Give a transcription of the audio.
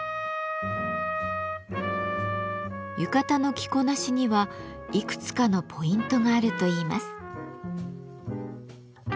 浴衣の着こなしにはいくつかのポイントがあるといいます。